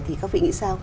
thì các vị nghĩ sao